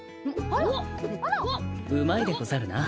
うまいでござるな。